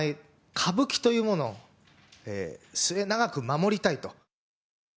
歌舞伎というものを末永く守りたいと。